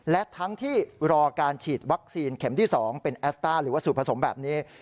และทั้งที่รอการฉีดวัคซีนเข็มที่๒เป็นแอสต้าหรือว่าสูตรผสมแบบนี้